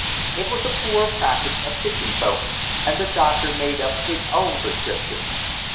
It was a poor practice, of fishing folk, and the doctor made up his own prescriptions.